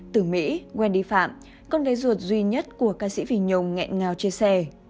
từ mỹ wendy phạm con gái ruột duy nhất của ca sĩ phi nhung nghẹn ngào chia sẻ